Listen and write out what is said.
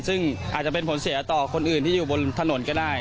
ซึ่งอาจจะเป็นผลเสียต่อคนอื่นที่อยู่บนถนนก็ได้